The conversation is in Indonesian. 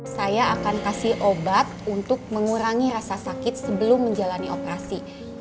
saya akan kasih obat untuk mengurangi rasa sakit sebelum menjalani operasi